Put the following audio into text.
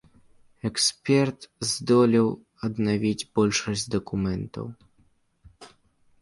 Эксперт здолеў аднавіць большасць дакументаў.